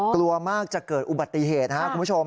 กลัวมากจะเกิดอุบัติเหตุนะครับคุณผู้ชม